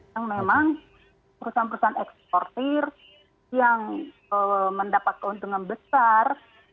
yang memang perusahaan perusahaan eksportir yang mendapat keuntungan besar